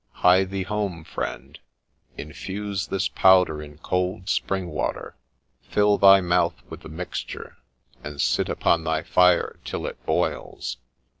Hie thee home, friend ; infuse this powder in cold spring water, fill thy mouth with the mixture, and sit upon thy fire till it boils